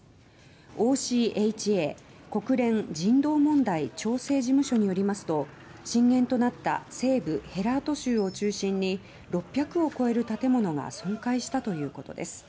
ＯＣＨＡ・国連人道問題調整事務所によりますと震源となった西部ヘラート州を中心に６００を超える建物が損壊したということです。